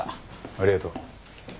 ありがとう。